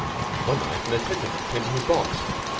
One night an attendant came to his box.